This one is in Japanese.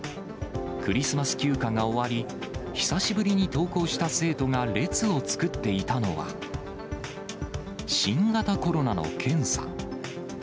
クリスマス休暇が終わり、久しぶりに登校した生徒が列を作っていたのは、新型コロナの検査。